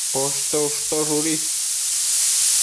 Poshto ushtosh ubi